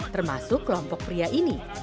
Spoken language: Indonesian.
termasuk kelompok pria ini